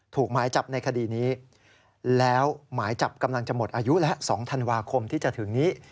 หมายจับในคดีนี้แล้วหมายจับกำลังจะหมดอายุแล้ว๒ธันวาคมที่จะถึงนี้